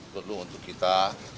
perlu untuk kita